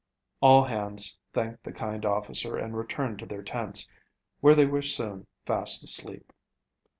All hands thanked the kind officer and retired to their tents, where they were soon fast asleep.